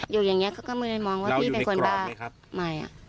อยู่อย่างนี้เขาก็ไม่ได้มองว่าพี่เป็นคนบ้าใหม่